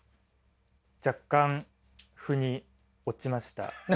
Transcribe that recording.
若干腑に落ちました。